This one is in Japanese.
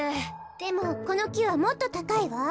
でもこのきはもっとたかいわ。